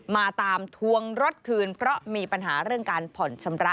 มาตามทวงรถคืนเพราะมีปัญหาเรื่องการผ่อนชำระ